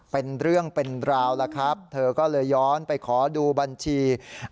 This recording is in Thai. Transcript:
เป็นเรื่องเป็นราวแล้วครับเธอก็เลยย้อนไปขอดูบัญชี